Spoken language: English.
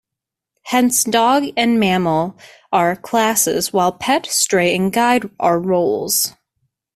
Hence, Dog and Mammal are classes, while Pet, Stray, and Guide are roles.